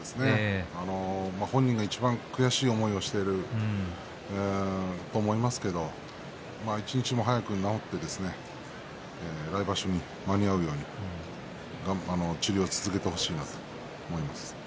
本人がいちばん悔しい思いをしていると思いますけど一日も早く治って来場所に間に合うように治療を続けてほしいなと思います。